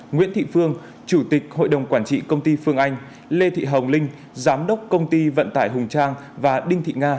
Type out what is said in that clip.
nguyễn thị phương chủ tịch hội đồng quản trị công ty phương anh lê thị hồng linh giám đốc công ty vận tải hùng trang và đinh thị nga